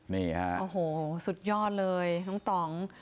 นี่ฮะโอ้โหสุดยอดเลยน้องต่อง